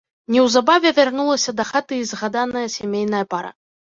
Неўзабаве вярнулася дахаты і згаданая сямейная пара.